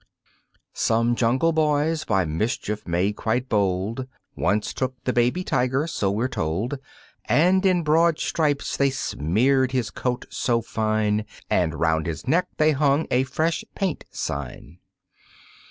Some jungle boys, by mischief made quite bold, Once took the baby Tiger, so we're told, And in broad stripes they smeared his coat so fine, And 'round his neck they hung a "Fresh Paint" sign.